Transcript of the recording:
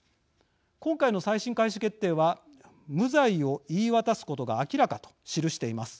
今回の再審開始決定は無罪を言い渡すことが明らかと記しています。